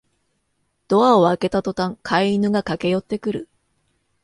ドアを開けたとたん飼い犬が駆けよってくる